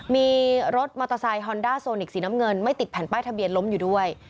มีรถมอเตอร์ไซค์ฮอนด้าโซนิกสีน้ำเงินไม่ติดแผ่นป้ายทะเบียนล้มอยู่ด้วย